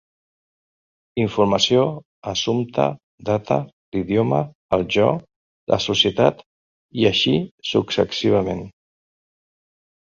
Informació, assumpte, data, l'idioma, el jo, la societat, i així successivament.